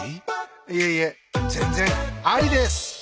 いえいえ全然ありです。